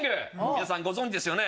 皆さんご存じですよね？